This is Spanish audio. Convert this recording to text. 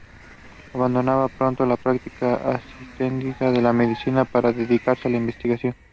Abandona pronto la práctica asistencial de la medicina, para dedicarse a la investigación.